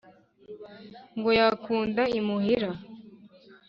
ngo yakunda imuhira.